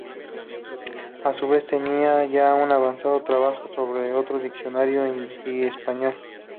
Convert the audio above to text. A su vez tenía ya un avanzado trabajo sobre otro diccionario hindi-español.